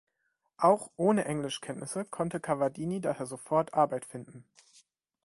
Auch ohne Englischkenntnisse konnte Cavadini daher sofort Arbeit finden.